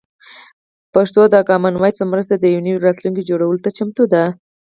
پښتو د کامن وایس په مرسته د یو نوي راتلونکي جوړولو ته چمتو ده.